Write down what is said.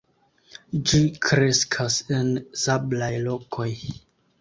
Ĝi kreskas en sablaj lokoj.